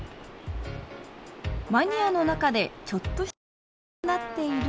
マニアの中でちょっとした聖地となっている